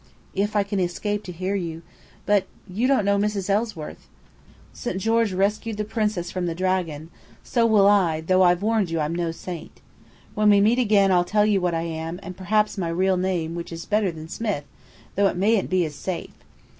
"If I can escape to hear you. But you don't know Mrs. Ellsworth." "St. George rescued the princess from the dragon: so will I, though I've warned you I'm no saint. When we meet again I'll tell you what I am, and perhaps my real name, which is better than Smith, though it mayn't be as safe.